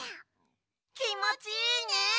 きもちいいね！